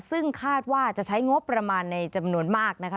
ซึ่งคาดว่าจะใช้งบประมาณในจำนวนมากนะคะ